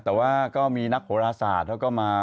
แต่ว่าก็มีนักโหราศาสตร์เขาก็มา